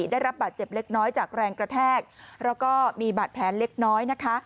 ได้รับบาดเจ็บเล็กน้อยจากแรงกระแทกแล้วก็มีบาดแผลเล็กน้อยนะคะ